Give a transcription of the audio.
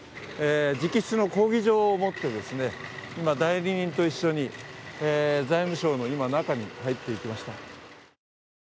直筆の抗議状を持って代理人と一緒に財務省の中に入っていきました。